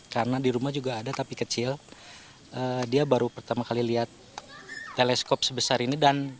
karena di rumah juga ada tapi kecil dia baru pertama kali lihat teleskop sebesar ini dan